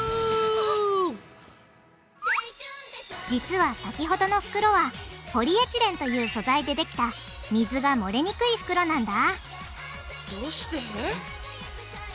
実は先ほどの袋はポリエチレンという素材でできた水がもれにくい袋なんだどうして？